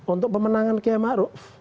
untuk pemenangan kayak ma'ruf